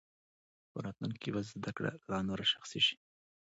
په راتلونکي کې به زده کړه لا نوره شخصي شي.